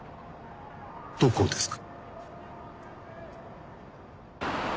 どこですか？